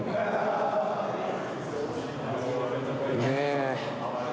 ねえ。